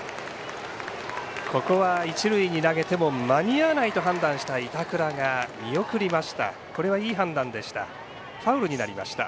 ここは一塁に投げても間に合わないと判断した板倉が見送りました。